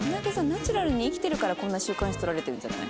ナチュラルに生きてるからこんな週刊誌撮られてるんじゃない？」